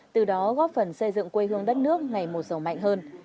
từ đó góp phần xây dựng quê hương đất nước ngày một sầu mạnh hơn